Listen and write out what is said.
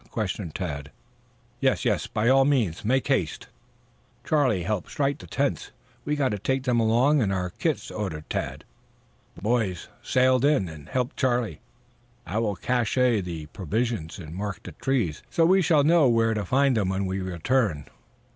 questioned Tad. "Yes, yes, by all means. Make haste!" "Charlie, help strike the tents. We've got to take them along and our kits," ordered Tad. "Boys, sail in and help Charlie. I will cache the provisions and mark the trees so we shall know where to find them when we return."